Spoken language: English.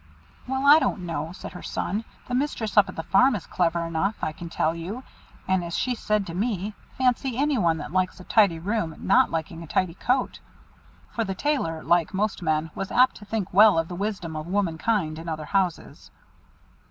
"Well, I don't know," said her son. "The mistress up at the farm is clever enough, I can tell you; and as she said to me, fancy any one that likes a tidy room not liking a tidy coat!" For the Tailor, like most men, was apt to think well of the wisdom of womankind in other houses.